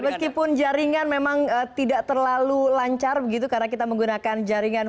meskipun jaringan memang tidak terlalu lancar begitu karena kita menggunakan jaringan